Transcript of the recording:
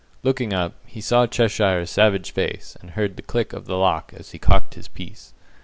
Looking up, he saw Cheshire's savage face, and heard the click of the lock as he cocked his piece.